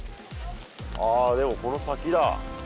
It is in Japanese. ああでもこの先だ。